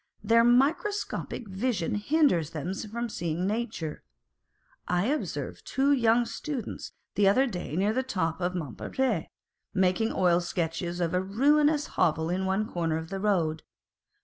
Their microscopic vision hinders them from seeing nature. I observed two young students the other day near the top of Montmartre, making oil sketches of a ruinous hovel in one corner of the road.